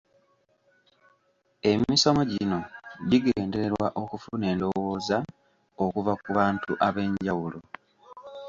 Emisomo gino gigendererwa okufuna endowooza okuva ku bantu ab'enjawulo.